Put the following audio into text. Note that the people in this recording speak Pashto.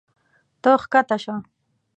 ته ښکته شه.